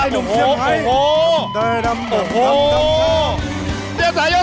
เจ้าสายโยคสวัสดีครับ